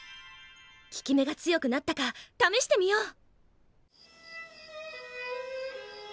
効き目が強くなったかためしてみよう。